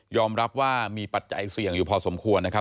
รับว่ามีปัจจัยเสี่ยงอยู่พอสมควรนะครับ